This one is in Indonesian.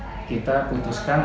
sehingga kita putuskan